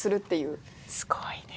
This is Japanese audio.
すごいね。